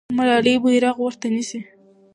ملالۍ بیرغ ورته نیسي.